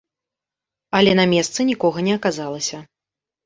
Але на месцы нікога не аказалася.